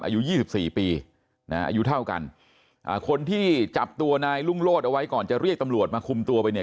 อายุ๒๔ปีนะฮะอายุเท่ากันคนที่จับตัวนายรุ่งโลศเอาไว้ก่อนจะเรียกตำรวจมาคุมตัวไปเนี่ย